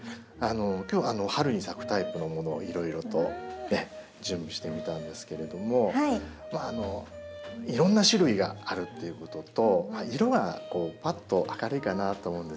今日春に咲くタイプのものをいろいろと準備してみたんですけれどもいろんな種類があるっていうことと色がぱっと明るいかなと思うんですけどもね。